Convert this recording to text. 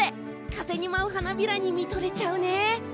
風に舞う花びらに見とれちゃうね。